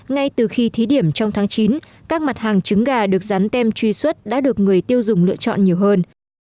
ngay từ khi thí điểm trong tháng chín các mặt hàng trứng gà được rán tem truy xuất đã được người tiêu dùng lựa chọn nhiều hơn